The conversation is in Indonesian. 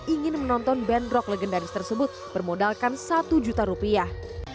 ingin menonton band rock legendaris tersebut bermodalkan satu juta rupiah